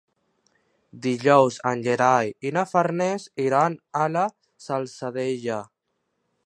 Dijous en Gerai i na Farners iran a la Salzadella.